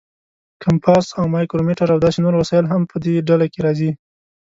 کمپاس او مایکرومیټر او داسې نور وسایل هم په دې ډله کې راځي.